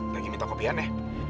lagi minta kopian ya